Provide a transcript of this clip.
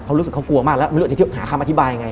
เขารู้สึกเขากลัวมากแล้วไม่รู้จะหาคำอธิบายยังไง